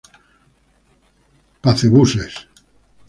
Pace Buses